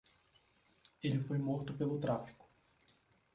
Ele foi morto pelo tráfico.